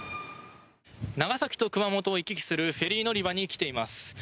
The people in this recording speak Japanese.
長崎と熊本を行き来するフェリー乗り場に来ています。